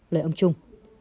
lời ông trung